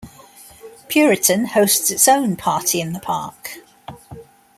Puriton hosts its own Party in the Park.